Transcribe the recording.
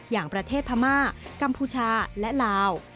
อย่างประเทศพม่ากัมพูชาและลาว